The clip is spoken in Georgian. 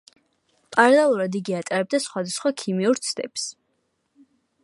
პარალელურად იგი ატარებდა სხვადასხვა ქიმიურ ცდებს.